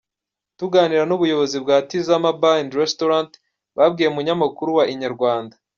Tuganira n’ubuyobozi bwa Tizama Bar& Restaurent babwiye umunyamakuru wa Inyarwanda.